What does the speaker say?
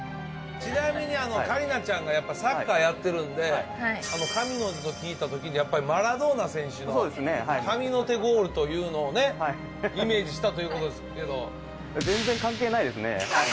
ちなみに桂里奈ちゃんがサッカーやってるんで神の手と聞いたときやっぱりマラドーナ選手の神の手ゴールというのをねイメージしたということですけど。